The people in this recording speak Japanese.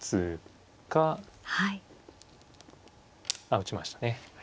あ打ちましたね。